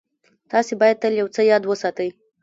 تاسې بايد تل يو څه ياد وساتئ.